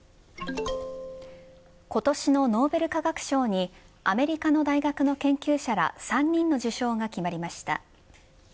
今年のノーベル化学賞にアメリカの大学の研究者ら３人の受賞が決まりました。